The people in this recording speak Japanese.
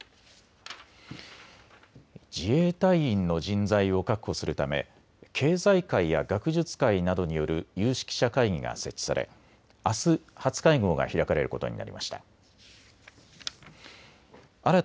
自衛隊員の人材を確保するため経済界や学術界などによる有識者会議が設置され、あす初会合が開かれることになりました。